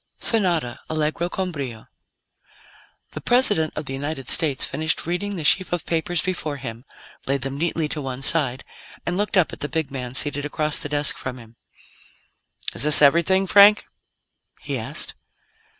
SONATA ALLEGRO CON BRIO The President of the United States finished reading the sheaf of papers before him, laid them neatly to one side, and looked up at the big man seated across the desk from him. "Is this everything, Frank?" he asked.